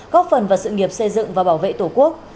góp phần vào sự nghiệp xây dựng và bảo vệ tổ quốc